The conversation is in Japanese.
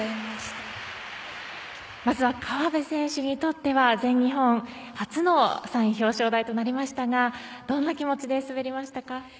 まずは河辺選手にとっては全日本初の３位表彰台となりましたがどんな気持ちで滑りましたか？